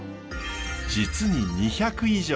実に２００以上！